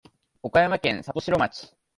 岡山県里庄町